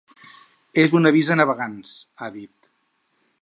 És un avís a navegants, ha dit.